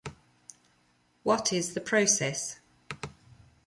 What is the process?